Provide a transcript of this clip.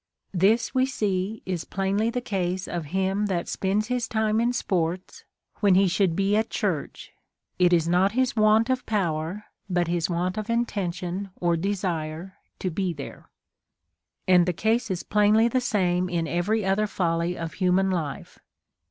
This^ we see, is plainly the case of him that spends his time in sports, when lie should be at cimrch ; it is not his want of power, but his want of intention or desire, to be there. And the case is plainly the same in every other folly of human life.